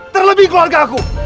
terlebih keluarga aku